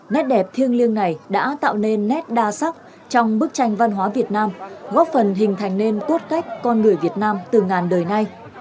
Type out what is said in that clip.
nét đẹp thiêng liêng này đã tạo nên nét đa sắc trong bức tranh văn hóa việt nam góp phần hình thành nên cốt cách con người việt nam từ ngàn đời nay